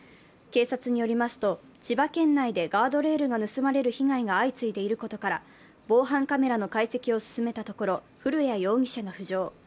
警察によりますと、千葉県内でガードレールが盗まれる被害が相次いでいることから、防犯カメラの解析を進めたところ古谷容疑者が浮上。